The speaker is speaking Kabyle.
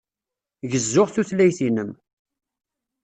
Gezzuɣ tutlayt-inem.